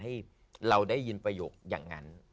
ให้เราได้ยินประโยคอย่างนั้น